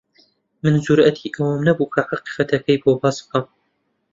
من جورئەتی ئەوەم نەبوو کە حەقیقەتەکەی بۆ باس بکەم.